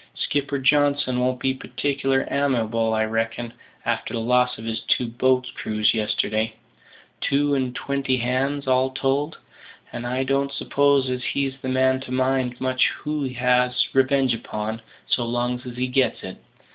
Skipper Johnson won't be partic'lar amiable, I reckon, a'ter the loss of his two boats' crews yesterday two and twenty hands, all told; and I don't suppose as he's the man to mind much who he has his revenge upon, so long's he gets it.